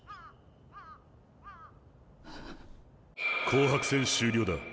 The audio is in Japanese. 紅白戦終了だ。